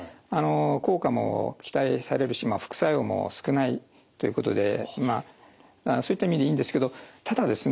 効果も期待されるし副作用も少ないということでまあそういった意味でいいんですけどただですね